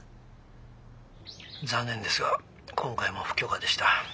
残念ですが今回も不許可でした。